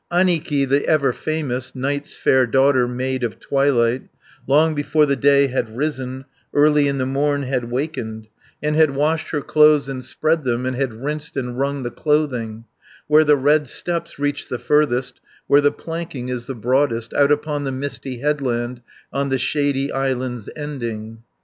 40 Annikki, the ever famous, Night's fair daughter, maid of twilight, Long before the day had risen, Early in the morn had wakened, And had washed her clothes and spread them, And had rinsed and wrung the clothing, Where the red steps reach the furthest, Where the planking is the broadest, Out upon the misty headland, On the shady island's ending.